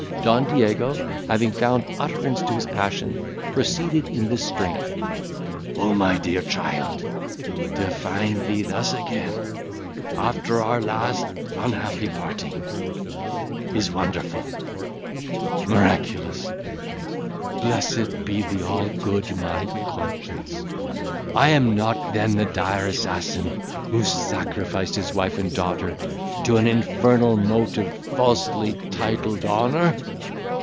Don Diego having found utterance to his passion, proceeded in this strain: "O my dear child! to find thee thus again, after our last unhappy parting, is wonderful! miraculous! Blessed be the all good, my conscience. I am not then the dire assassin, who sacrificed his wife and daughter to an infernal motive, falsely titled honour?